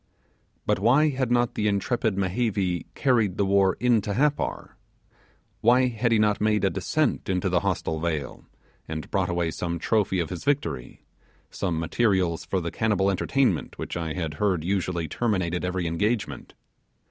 But why had not the intrepid Mehevi carried the war into Happar? Why had he not made a descent into the hostile vale, and brought away some trophy of his victory some materials for the cannibal entertainment which I had heard usually terminated every engagement?